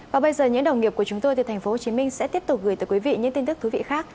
và bây giờ những đồng nghiệp của chúng tôi tp hcm sẽ tiếp tục gửi tới quý vị những tin tức thú vị khác